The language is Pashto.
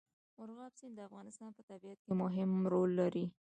مورغاب سیند د افغانستان په طبیعت کې مهم رول لري.